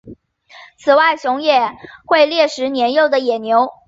此外熊也会猎食年幼的野牛。